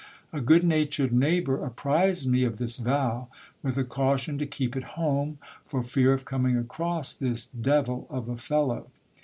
A good natured neighbour apprised me of this vow, with a cau tion to keep at home, for fear of coming across this devil of a fellow.